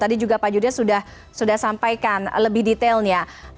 tadi juga pak judah sudah sampaikan lebih detailnya